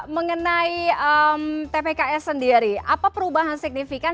mengenai tpks sendiri apa perubahan signifikan